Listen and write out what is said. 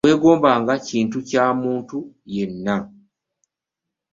Tewegombanga kintu kya muntu yenna.